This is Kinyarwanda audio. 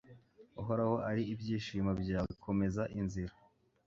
uhoraho ari ibyishimo byawe, komeza inzira